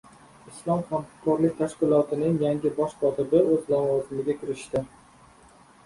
Islom hamkorlik tashkilotining yangi bosh kotibi o‘z lavozimiga kirishdi